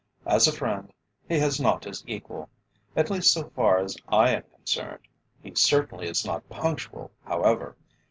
As a friend, he has not his equal at least so far as I am concerned; he is certainly not punctual, however.